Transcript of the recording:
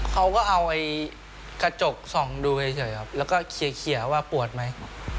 เขาก็เอากระจกส่องดูไปเฉยครับแล้วก็เคลียร์ว่าปวดไหม